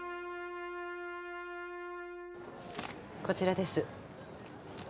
こちらです